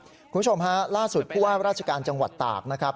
คุณผู้ชมฮะล่าสุดผู้ว่าราชการจังหวัดตากนะครับ